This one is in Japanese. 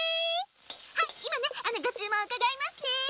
はいいまねごちゅうもんうかがいますね！